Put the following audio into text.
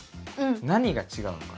何が違うのかな？